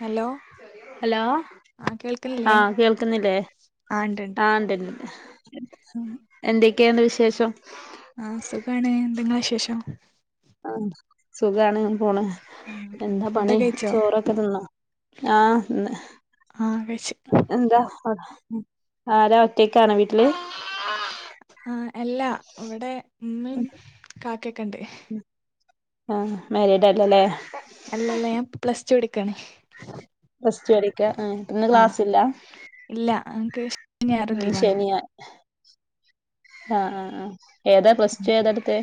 Hello hello ആ കേൾക്കണില്ലേ ആഹ് കേൾക്കുന്നില്ലേ ആ ഉണ്ട്ണ്ട് ആഹ് ണ്ട്ണ്ട് എന്തൊക്കെയുണ്ട് വിശേഷം ആഹ് സുഖാണ് എന്ത ഇങ്ങളെ വിശേഷം ആഹ് സുഖാണ് അങ്ങനെ പോണ് ആ എന്താ ഫുഡൊക്കെ പണി കഴിച്ചോ ചോറൊക്കെ തിന്നോ ആഹ് ന്ന് ആ കഴിച്ചു എന്താ ആരാ ഒറ്റക്കാണോ വീട്ട്ല് ആഹ് ആഹ് എല്ലാ ഇവടെ ഇമ്മിം കാക്കെക്കെണ്ട് ആഹ് മേരീഡല്ലലെ അല്ലല്ല ഞാൻ പ്ലസ് ടു പടിക്കാണ് പ്ലസ് ടു പടിക്കാ ഏഹ് അപ്പന്ന് ക്ലാസ്സ് ല്ലാ ഇല്ല നങ്ങ്ക്ക് ഉം ശെനിയാ ആഹ് ആഹ് ആഹ് ഏതാ പ്ലസ് ടു ഏതാ എട്ത്തെ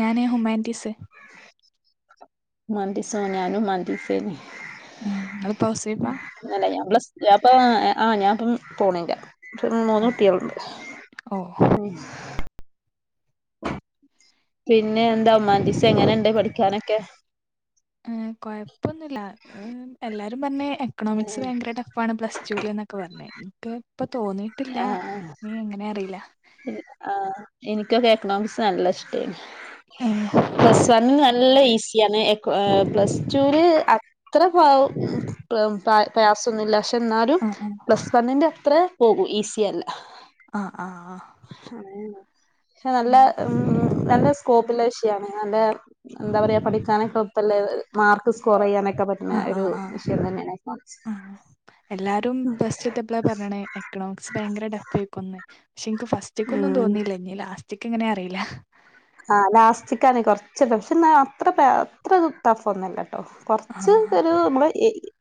ഞാന് ഹുമാൻറ്റീസ് ഹുമാനിറ്റീസാ ഞാനും ഹുമാനിറ്റീസേനി നിങ്ങളിപ്പോ ഹൗസ് വൈഫാ അല്ല ഞാൻ പ്ലസ് ടു ഞാൻപ്പോ ആഹ് ഞാൻപ്പം പോണില്ല ഓ മൂന്ന് കുട്ട്യാൾണ്ട് ഓ ഉം പിന്നെ എന്താ ഹുമാനിറ്റീസ് എങ്ങനെണ്ട് പഠിക്കാനൊക്കെ കൊഴപ്പൊന്നുല്ല എല്ലാരും പർഞ്ഞ് എക്കണോമിക്സ് ഭയങ്കര ടഫ് ഫാണ് പ്ലസ് ടൂല് ന്നൊക്കെ പർഞ്ഞ് ഇൻക്ക് ഇപ്പോ തോന്നി ആഹ് ആഹ് എങ്ങനെ അറീലാ ഉം ആഹ് എനിക്കൊക്കെ എക്കണോമിക്സ് നല്ല ഇഷ്ടേനി ഓ പ്ലസ് വൺന്ന് നല്ല ഈസിയാണ് പ്ലസ് ടൂല് അത്ര [unintelligible] പ്രയാസന്നൂല്ല പക്ഷെ ഇന്നാലും ആഹ് പ്ലസ് വണ്ണിന്റെ അത്ര പോകും ഈസിയല്ല ആഹ് ആഹ് പക്ഷെ നല്ല ഉം നല്ല സ്കോപ്പുള്ള വിഷയാണ് നല്ല എന്താ പറയാ പഠിക്കാനൊക്കെ എളുപ്പല്ലെ മാർക്ക് സ്കോറെയ്യാനൊക്കെ പറ്റും ആഹ് ആഹ് ആഹ് ആഹ് എല്ലാരും പ്ലസ് ടൂത്തെ അപ്പളെ പർഞ്ഞ്ണ് എക്കണോമിക്സ് ഭയങ്കര ടഫെയ്ക്കുന്ന് പക്ഷെ ഇൻക്ക് ഫസ്റ്റ്ക്കൊന്നും ഉം തോന്നിയില്ല ഇഞ്ഞി ലാസ് റ്റ്ക്ക് എങ്ങനെയെ അറീല ആഹ് ലാസ്റ്റിക്കാണ് കൊർച്ച്‌ ടഫ് ഇന്നാ അത്ര അത്ര ടെഫൊന്നല്ലട്ടോ കൊർച്ച് ആഹ് ഒരു നമ്മളെ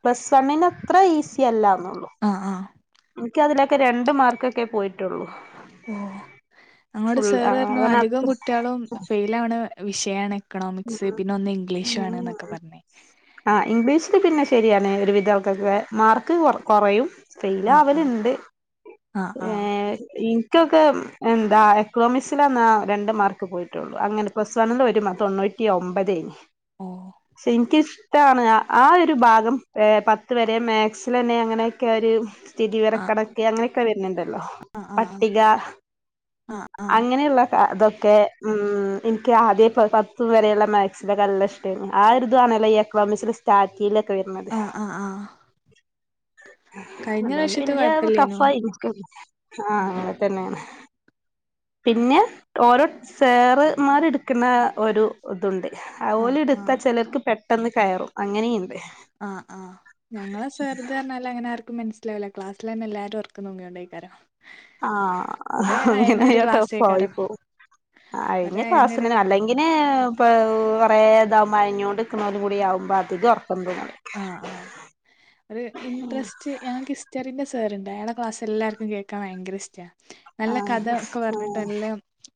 പ്ലസ് വണ്ണിൻ്റെ അത്രേ ഈസി അല്ലാന്നൊള്ളു ആഹ് ആഹ് ഇൻക്ക് അതിലൊക്കെ രണ്ട് മാർക്കൊക്കെ പോയിട്ടൊള്ളൂ ഓഹ് ഞങ്ങളോട് സേറർഞ്ഞു അധികം അത്ര കുട്ട്യാളും ഫെയിലാവ്ണെ വിഷയ്ണ് എക്കണോമിക്സ് പിന്നെ ഒന്ന് ഇംഗ്ലീഷാണ് ന്നൊക്കെ പർഞ്ഞ് ആഹ് ഇംഗ്ലീഷില് പിന്നെ ശെരിയാണ് ഒരു വിധാൾക്കാര്ക്കൊക്കെ മാർക്ക് കൊ കൊറയും ആഹ് ആഹ് ഫെയിലാവല്ണ്ട് ആഹ് ആഹ് ഏഹ് ഇ ക്കൊക്കെ എന്താ എക്കണോമിസ്സ്ലാന്നാ രണ്ട് മാർക്ക് പോയിട്ടൊള്ളൂ അങ്ങനെ പ്ലസ് വണ്ണ്ല് ഒര് മാ തൊണ്ണൂ റ്റി ഒമ്പതേനി ഓഹ് പക്ഷെ ഇൻക്ക് ഇഷ്ടമാണ് ആ ഒരു ഭാഗം ഏഹ് പത്ത് വെരെ മാക്സലന്നെ അങ്ങനൊക്കെ ഒര് ആഹ് സ്ഥതിവിവരകണക്ക് അങ്ങനൊക്കെ വെര്ണ് ണ്ടല്ലോ ആഹ് ആഹ് പട്ടിക ആഹ് ആഹ് ഇങ്ങനെള്ള അതൊക്കെ ഉം ഇൻക്ക് ആദ്യേ പത്ത് വരേള്ള മാക്സിന്റൊക്കെ നല്ല ഇ ഷ്ട്ടേന്നു ആ ഒര്താണല്ലോ എക്കണോമിസില് സ്റ്റാർട്ടീല് ഒക്കെ വെര്ന്നത് ആഹ് ആഹ് ആഹ് കഴിഞ്ഞ അതോണ്ട് പ്രാവശ്യത്തെ വെല്യാ ടെ കൊഴപ്പില്ലേനു ടെഫായിരിക്കും ആഹ് അങ്ങനെ തന്നേണ് പിന്നെ ഓരോ സേറ്മാര് ഇട്ക്ക്ന്നെ ഒരു ഇതുണ്ട് അ ആഹ് ഓല് ആഹ് ഇട്ത്ത ചെലര്ക്ക് പെട്ടെന്ന് കയറും അങ്ങനീണ്ട് ആഹ് ആഹ് ഞങ്ങളെ സേർത് അർഞ്ഞാല് ലേ അങ്ങന ആർക്കും മനസ്സിലാവില്ല ക്ലാസ്ൽ ടൈമില് എല്ലരും ഒറക്കംതൂങ്ങി നോങ്ങിയണ്ടക്കാരോ ആഹ് അങ്ങനെയ ടഫ്‌ ക്ലാസ്സേക്കാരം ആയിപ്പോ ഒരേ കഴിഞ്ഞ അയഞ്ഞൊരു ക്ലാസിന് ക്ലാ അല്ലെ ഇങ്ങനെ ഇപ്പാ കുറേ ഇതാവമയങ്ങിയൊണ്ട് നിക്കുന്നതും കൂടി ആകുമ്പോൾ ആധികം ഉറക്കംതുങ്ങേണ്ട ആഹ് ആഹ് ഒരു ഇൻട്രസ്റ്റ് ച്ച് ഞങ്ങക്ക് ഹിസ്റ്ററിന്റെറെ സാറിണ്ട് അയാടെ ക്ലാസ് എല്ലർക്കും കേൾക്കാൻ ഭയങ്ക ഇഷ്ട നല്ല ആഹ് കഥ ഒക്കെ പറഞ്ഞിട്ട് നല്ല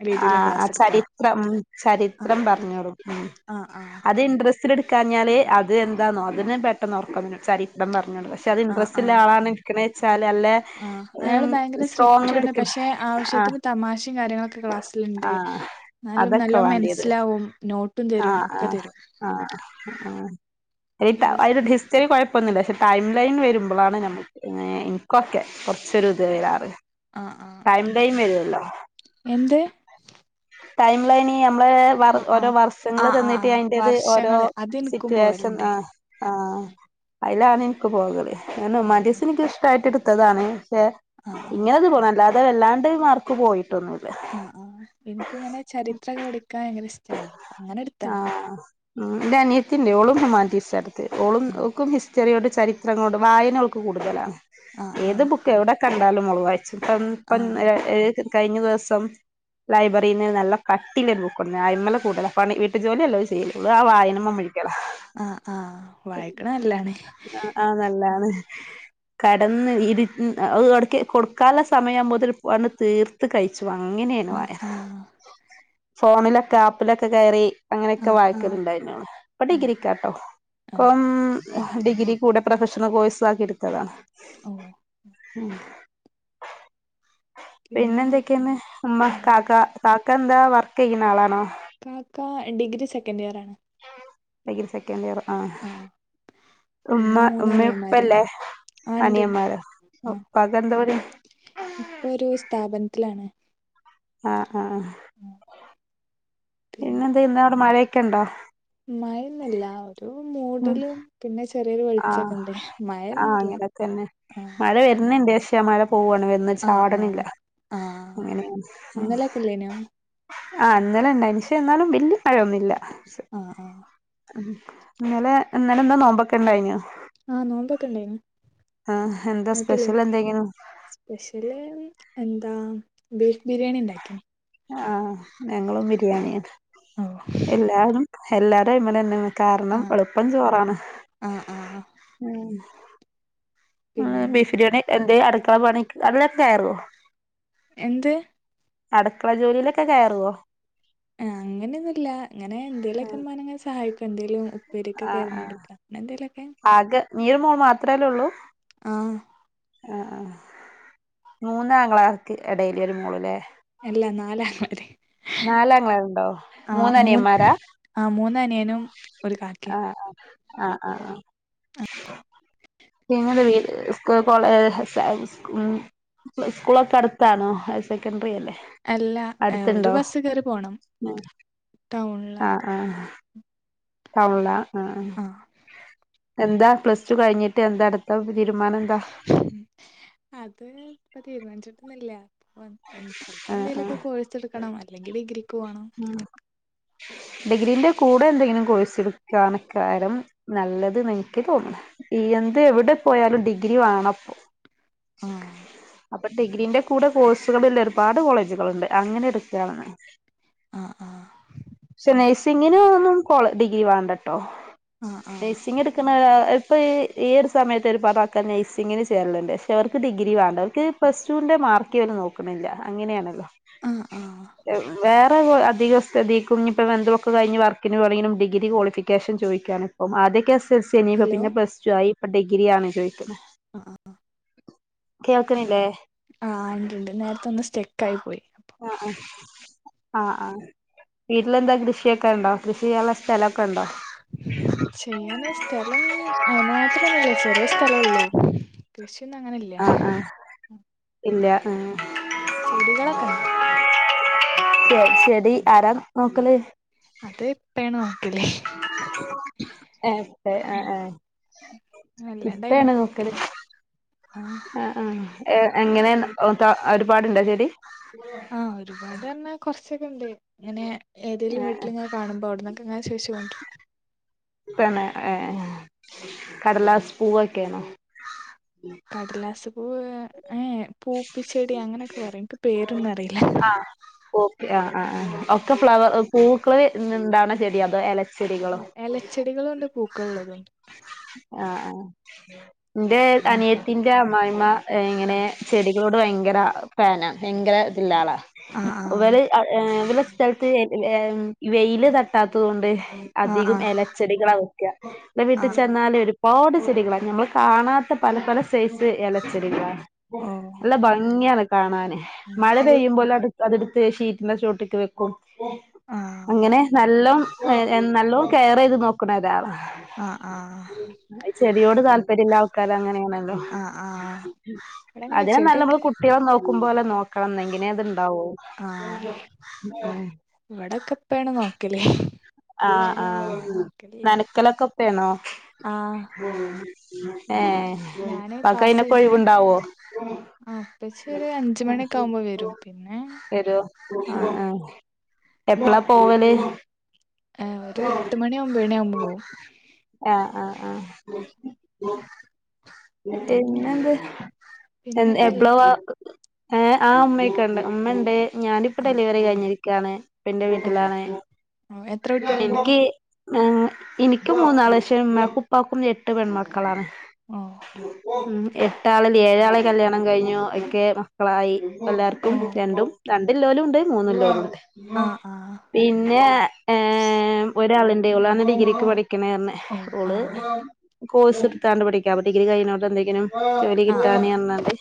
രീതിയിലാ ആഹ് ക്ലാസ് ആഹ് എടുക്ക ചരിത്രം ഉം ചരിത്രം ആഹ് പറഞ്ഞോറും ഉം ആഹ് ആഹ് അത് ഇൻ്രസ്റ്റ് ഇച്ചിരി എടുക്കാഞ്ഞാൽ അത് എന്താണോ അതിന് പെട്ടെന്ന് ഉറക്കം ചരിത്രം പറഞ്ഞോള്ളത് പക്ഷെ അത് ആഹ് ഇൻട്രസ്റ്റ്ല്ല ആഹ് ആളാണ് എന്ന് വെച്ചാല് അല്ല ആഹ് അയാള് ഭയങ്കര സ്ട്രോ സ്ട്രിക്റ്റാണ് പക്ഷെ ആവശ്യത്തിന് തമാശയും കാര്യങ്ങളൊക്കെ ക്ലാസ്സിലുണ്ട് ആഹ് എന്നാലും അതൊക്കെ നല്ലോ വാണ്ടിയത് മനസ്സിലാവും നോട്ട് ആഹ് ആഹ് ആഹ് ആ ഹിസ്റ്ററി കുഴപ്പൊന്നില്ല പക്ഷെ ടൈം ലൈൻ വരുമ്പോഴാണ് നമുക്ക് പിന്നെ എനിക് ഓക്കെ കൊറച്ചൊരു ഇത് വരാറ് ആഹ ആഹ് ടൈം ഉം ലൈൻ വരുമല്ലോ എന്ത് ടൈമ ലൈനി നമ്മള് വ ആ ആ ഓരോ ആ ആ ആ വർഷങ്ങള്തിന്നിട്ട് അതിന്റേത് ഓരോ വർഷങ്ങള് അത് ഇനിക്കും സിറ്റുവേഷൻ പോവലുണ്ട് ആഹ് ആഹ് അതിലാണ് എനിക്ക് പോകല് എന്നാ ആ ഹ്യുമാനിട്ടിസ് എനി ഇഷ്ടആയിട്ട് എടുത്തതാണ് പക്ഷെ ആ ഇങ്ങനെത് പോണം അല്ലാതെ വല്ലാണ്ട് മാർക്ക് പോയിട്ടൊന്നുല്ല ആഹ് ആ എനക്ക് പിന്നെ ചരിത്രൊക്കെ പഠിക്കാൻ ഭയങ്കര ഇഷ്ടമാണ് അങ്ങനെ എടുത്താണ്. ആഹ് ഉം എന്റെ അനിയത്തിണ്ട് ഓളും ഹുമാൻറ്റീസ് എടുത്തെ ഓളും ആ ഓക്കും ഹിസ്റ്ററിയുട് ചരിത്ര തുഅങ്ങൊട് വായനഅവൾക്ക് കൂടുതലാണ് ആ ആ ഏത് ബുക്ക് എവിടെ കണ്ടാലും അവള് വായിച്ചു പ്പം ആ പ്പം ഏഹ് കഴിഞ്ഞ ദിവസം ലൈബ്രറിയിന്ന് നല്ല കട്ടിവരുന്ന ബുക്കുണ്ട് അയ്മല കൂടുതല പണി വീട്ടിജോലി അല്ലേ ചെയ്യുള്ളൂ ഇവള് ആ വായനമ്മഴ [unintelligible] ആഹ് ആഹ് വായിക്കണ നല്ലതാണേ ആഹ് ആഹ് നല്ലാണ് കടന്ന് ഇരു ഇടക്ക് കൊടു കല സമയം മുതൽ പണിതീർത്ത് കഴിച്ചു അങ്ങനെയാണ് ആ വായന ആ ഫോണിലൊക്കെ ആപ്പിലൊക്കെ കയറി ആ അങ്ങനെയൊക്കെ ആ വായക്കലുണ്ടായിരുന്നു ഇപ്പ ഓ ഡിഗ്രിക്ക കേട്ടോ ഓ ഇപ്പം ഡിഗ്രി കൂടെ പ്രൊഫഷണൽ കോഴ്സ് ആക്കി എടുത്തതാണ് ഓ ഉം പിന്നെന്തൊക്കെ പിന്നെന്തൊക്കെയന്ന് ഉമ്മ ആ കാക്ക കാക്ക എന്താ വർക്ക് ചെയ്യുന്ന ആളാണോ കാക്ക ഡിഗ്രി സെക്കൻഡ് ഇയർ ആണ്. ഡിഗ്രി സെക്കൻഡ് ഇയർ ആ ഉമ്മ പിന്നെ ഉമ്മ മൂന്നനിയന്മാര് ഇപ്പല്ലേ ആ ഇണ്ട് ഇണ്ട് അനിയന്മാരൊ ആ ഉപ്പാക്ക്എന്ത് പണി ഇപ്പൊ ഒരു സ്ഥാപനത്തിലാണ് ആഹ് ആഹ് ആ പിന്നെ എന്ത ഇന്നവിടെ മഴയൊക്കെ ഉണ്ടോ മയന്നില്ല ഒരു മൂടലും പിന്നെ ചെറിയൊരു ആ വെളിച്ചക്കെ ഉണ്ട് മഴയൊന്നുല്ല ആഹ് ഇന്ന്ന്റെ വിഷയ മഴ പോവാണ് വന്ന് ചാടണില്ല ആഹ് ആഹ് അങ്ങനെയാണ് ആഹ് ഇന്നലൊക്കെല്ലേനോ ആഹ് ഇന്നലെ ഇണ്ടായ്ന് ക്ഷേ എന്നാലും വല്യ മഴയൊന്നുല്ല ആഹ് ആഹ് ഉം ഇന്നലെ ഇന്നലെ എന്താ നോമ്പൊക്കെ ഇണ്ടായിഞ്ഞോ ആഹ് നോമ്പൊക്കെ ഇണ്ടായിനു ആഹ് എന്താ ഇങ്ങക്കില്ലേ സ്പെഷ്യൽ എന്തെങ്കിലും സ്പെഷ്യല് എന്താ ബീഫ് ബിരിയാണി ഉണ്ടാക്കിന്ന് ആഹ് ഞങ്ങളും ഓ ഞാനും എല്ലാടേം ഇങ്ങനെ തന്നെന്നു കാരണം എളുപ്പം ചോറാണ് ആഹ് ആഹ് ഉം പിന്നെ ബീഫ് ബിരിയാണി എന്തേ അടുക്കള പണി അതിനൊക്കെ കയറുവോ എന്ത് അടുക്കള ജോലിയില ആ അങ്ങനെയൊന്നുല്ല ഇങ്ങനെ എന്തേലൊക്കെ ഇമ്മനെ അങ്ങനെ സഹായിക്കും എന്തേലും പേരൊക്കെ ആഹ് ആഹ് കേരഞ്ഞെടുക്ക അങ്ങനെ എന്തെലൊക്കെ ആകെ നീ ഒരു മോൾ മാത്രല്ലേ ഉള്ളൂ ആഹ് ആഹ് മൂന്ന് ആങ്ങളാക്ക് എടയില് ഒരു മോള്ല്ലേ അല്ല നാല് ആങ്ങളാര് നാല് ആങ്ങളാരുണ്ടോ മൂന്ന് മൂന്നനിയന്മാരാ ആഹ് മൂന്ന് അനിയൻ ആഹ് ആഹ് ആഹ് ആഹ് ആഹ് ഞങ്ങളെ വീട് സ്കൂൾ പോണെ മ് സ്കൂളൊക്കെ അടുത്താണോ ഹയർ സെക്കൻഡറിയല്ലേ അല്ല ഏഹ് ഒരു അടുത്ത്ണ്ടോ ബസ്സ് കേറി പോണം. ടൗണില് ആഹ് ആഹ് ടൗണ്ലാ ആഹ് എന്താ പ്ലസ് ടു കഴിഞ്ഞിട്ട് എന്താ അട് ത്ത തീരുമാനന്താ അത് ഇപ്പ തീരുമാനിച്ചിട്ടൊന്നുല്ല അപ്പം ചെലപ്പം എന്തേലൊക്കെ കോഴ്സ് എടുക്കണം അല്ലെങ്കി ഡിഗ്രിക്ക് പോണം ഡിഗ്രിൻ്റെ കൂടെ എന്തെങ്കിലും കോഴ്സ് എടുക്കണക്കാരം നല്ലത് ന്ന് എനിക്ക് തോന്ന്ണ് എന്ത് എവിടെ പോയാലും ഡിഗ്രി വേണപ്പോ ആഹ് ഇപ്പ ഡിഗ്രീന്റെ കൂടെ കോഴ്സുകളുള്ള ഒരുപാട് കോളേജുകളുണ്ട് അങ്ങനെ എടുക്കണ്ന്ന് ആഹ് ആഹ് പക്ഷെ നഴ്സിംഗിനൊന്നും കോള ഡിഗ്രി വേണ്ടട്ടോ ആഹ് ആഹ് നഴ്സിംഗ് എടുക്ക്ണേ ആ ഇപ്പ ഈ ഈ ഒരു സമയത്ത് ഒരുപാട് ആൾക്കാര് നഴ്സിംഗ് ന് ചേരല്ണ്ട് ക്ഷെ അവർക്ക് ഡിഗ്രി വേണ്ട അവർക്ക് പ്ലസ് ടുന്റെ മാർക്ക് ഇവര് നോക്ക് ണ്ല്ല അങ്ങനെയെണല്ലോ ആഹ് ആഹ് വേറെ അധിക സ്ഥതി ക്കും ഞ്ഞ് പ്പോ എന്തൊക്കെ കഴിഞ്ഞ് വർക്കിന് പോണങ്കിലും ഡിഗ്രി ക്വാളിഫികേഷൻ ചോയിക്കാണ് ഇപ്പോ ആദ്യക്കെ [unintelligible] നി പ്പം ഹലോ പിന്നെ പ്ലസ് ടു ആയി ഇപ്പൊ ഡിഗ്രി ആണ് ചോദിക്കുന്ന ആഹ് ആഹ് കേൾക്ക്ണില്ലേ ആഹ് ണ്ട് ണ്ട് നേരത്തെ ഒന്ന് സ്റ്റെക്കായി പോയി ആഹ് ആഹ് ആഹ് ആഹ് വീട്ടിലെന്താ കൃഷിയൊക്കെ ണ്ടോ കൃഷി ചെയ്യാനുള്ള സ്ഥലൊക്കെ ണ്ടോ ചെയ്യാന് സ്ഥലം അയിന് മാത്രൊന്നുല്ല ചെറിയ സ്ഥലള്ളൂ കൃഷിയൊന്നും അങ്ങനെയില്ല ആ ആ ഇല്ല ചെടികളൊക്കെ ണ്ട് ചെ ചെടി ആരാ നോക്കല് അത് ഇപ്പേണ് നോക്കല് ഏഹ് പ്പേ ഏഹ് ഏഹ് വല്ലാണ്ട് അയ്മക്ക് നിക്കല്ല ആഹ് ആഹ് എ എങ്ങനെ ഒ ത്ത ഒരുപാടുണ്ടോ ചെടി ആഹ് ഒരുപാട് പറഞ്ഞ കുറച്ചൊക്കെണ്ട് ഇങ്ങനെ ഏതെങ്കിലും ആ വീട്ടിലിങ്ങനെ കാണുമ്പോ അവിട്ന്ന് ക്കെ ഇങ്ങനെ ചോയിച്ച് കൊണ്ടരും തന്നെ ഏ കടലാസ് പൂവൊക്കെണേ കടലാസ് പൂവ് ഏ ഹേ പൂപ്പിച്ചെടി അങ്ങനൊക്കെ പറയും ഇൻക്ക് പേരൊന്നും അറിയില്ല പോപി ആഹ് ആഹ് ആഹ് ഒക്കെ ഫ്ലവർ പൂക്കള് ന്ന് ഇണ്ടാവ് ണ ചെടി അതോ എല അല്ല എലച്ചെടികളുണ്ട് പൂക്കള് ഉള്ളതുണ്ട് ആഹ് ആഹ് ഇന്റെ ആഹ് അനിയ തിന്റെ അമ്മായിമ്മ ഇങ്ങനെ ചെടികളോട് ഭയങ്കര ഫാനാ ഭയങ്കര ഇതില്ലആളാ ആഹ് ആഹ് ഇവര് ഇവല സ്ഥലത്ത് വെയില് തട്ടാത്തത് കൊണ്ട് ആഹ് അധികം ആഹ് എല ചെടികളാ വെക്ക ന്നട്ട് ട്ട് ആഹ് ചെന്നാല് ഒരുപാട് ചെടികളാ നമ്മൾ കാണാത്ത പല പല സൈസ് ഇലച്ചെടികളാ ഓഹ് നല്ല ഭംഗിയാണ് കാണാന് ആഹ് മഴ ആഹ് പെയ്യുമ്പോ ഓല് അത് അതടുത്ത് ഷീറ്റിന്റെ ചോട്ട്ക്ക് വെ ക്കും അങ്ങനെ നല്ലോം എ നല്ലോം കെയറയ് ത് നോക്കണ ഒര് ആളാ ആഹ് ആഹ് അഹ് ചെടിയോട് താല്പര്യം ഇല്ല ആൾക്കാര് അങ്ങനെണല്ലോ ആഹ് ആഹ് ഇവിടെ അങ്ങനെ അതിനും നല്ല നമ്മള് ചെടിയൊക്കെ കുട്ടിയാളെ നോ ക്കും പോലെ നോക്കണം ന്ന്ങ്കിനെ അത്ണ്ടാവോ ഇവിടെക്കെ ഉപ്പേണ് നോക്കല് ആഹ് ഞാൻ ആഹ് നോക്കലില്ല നനക്കലൊക്കെ ഉപ്പാണോ ആഹ് ഏഹ് ഞാന് ഉപ്പാക്ക് ക്ലാസ് അയിനൊക്കെ കഴിഞ്ഞ ഒഴിവുണ്ടാവോ ആ ഉപ്പച്ചി ഒരു അഞ്ച് മണിയൊക്കെ ആവുമ്പോ വരും പിന്നെ വരോ ആഹ് എപ്പളാ പോവല് ഏഹ് ഒരു എട്ട് മണി ഒമ്പ ണിയാകുമ്പോ പോകും ആഹ് ആഹ് ആഹ് [unintelligible] പിന്നെന്ത് എപ്പ്ള പിന്നെക്കല്ലേ വാ ഏഹ് ആഹ് ഉമ്മയൊക്കെ ഉണ്ട് ഉമ്മ ഒണ്ട് ഞാനിപ്പ ആഹ് ഡെലിവറി കഴിഞ്ഞിരിക്കാണ് എന്റെ ഓഹ് വീട്ടിലാണ് ഓഹ് എത്ര കുട്ടികളുണ്ട് എനിക്ക് എനിക്ക് മൂന്നാള് പക്ഷേ ഉമ്മാക്കും ഉപ്പാക്കും എട്ട് പെൺമക്കളാണ് ഓഹ് ഉം എട്ടാളില് ഏഴാളെ കല്യാണം കഴിഞ്ഞു ഒക്കെ മക്കളായി എല്ലാർക്കും ഓഹ് രണ്ടും രണ്ട്ല്ലോലും ഉണ്ട് മൂന്ന്ല്ലോലും ഉണ്ട് ആഹ് ആഹ് പിന്നെ ഏഹ് ഒരാളുണ്ട് ഓളാണ് ഡിഗ്രിക്ക് പഠിക്ക- ക്കണയാണ് ഓഹ് ഓള് ആഹ് കോഴസ് എടുത്താണ്ട് പഠിക്കാ ഡിഗ്രി കഴിഞ്ഞോട്ട് എന്തെങ്കിലും ജോലി ആഹ് കിട്ടാന ആഹ് പറഞ്ഞണ്ട്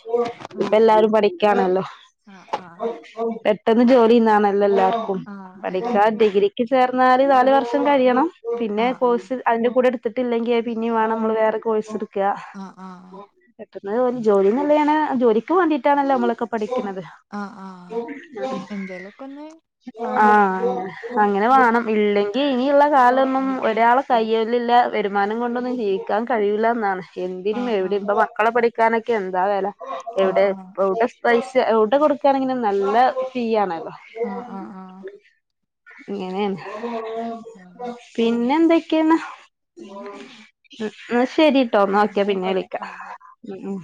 ഇപ്പ എല്ലാരും പഠിക്കാണല്ലോ ആഹ് ആഹ് ആഹ് പെട്ടെന്ന് ജോലിന്നണല്ലോ എല്ലാർക്കും ആഹ് പഠിക്കാൻ എല്ലാർക്കും ഡിഗ്രി- ക്ക് ചേർന്നാല് നാല് വർഷം കഴിയണം പിന്നെ ആഹ് കോഴ്‌സ് അതിന്റെ കൂടെ എടുത്തിട്ടില്ലെങ്കി പിന്നെയും വേണം നമ്മള് വേറെ കോഴ്സ് എടുക്കുക ആഹ് ആഹ് ആഹ് പെട്ടെന്ന് ഒരു ജോലിന്നല്ലാണ് ജോലിക്ക് വേണ്ടിട്ടാണല്ലോ നമ്മളൊക്കെ പഠിക്കുന്നത് ആഹ് ആഹ് എന്തേലൊക്കെ ഒന്ന് വേണം ആഹ് അങ്ങനെ ഉം വേണം ഇല്ലെങ്കിൽ ഇനിയുള്ള കാലൊന്നും ഒരാള് കയ്യിലില്ല വരുമാനം കൊണ്ടൊന്നും ജീവിക്കാൻ ക്കാൻ കഴിയൂല്ലാന്നാണ് എന്തിനും ആഹ് എവിടെ ഇപ്പ ആഹ് മക്കളെ പഠിക്കാനൊക്കെ എന്താ വെല എവിടെ ആഹ് ആഹ് എവിടെ പൈസ എവിടെ കൊടുക്കയാണെങ്കിലും നല്ല ഫീ ആണല്ലോ ആഹ് ആഹ് ആഹ് ഇങ്ങനെയാണ് ആഹ് പിന്നെ എന്തൊക്കെയാണ് പിന്നെക്കല്ലേ ന്ന ശരി ട്ടോന്നാ ആഹ് ഒക്കെ പിന്നെ എന്നായിക്കോട്ടെ വിളിക്കാം ആഹ് ഉം